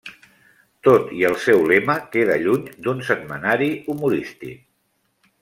Tot i el seu lema, queda lluny d'un setmanari humorístic.